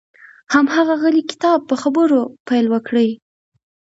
هماغه غلی کتاب په خبرو پیل وکړي.